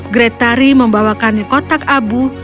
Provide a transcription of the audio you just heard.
gretari membawakannya kotak abu